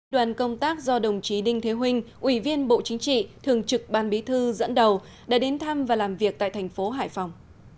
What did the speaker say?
đoàn công tác do đồng chí đinh thế vinh ủy viên bộ chính trị thường trực ban bí thư dẫn đầu đã đến thăm và làm việc tại thành phố hải phòng